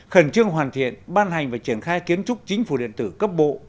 khẩn trương hoàn thiện ban hành và triển khai kiến trúc chính phủ điện tử cấp bộ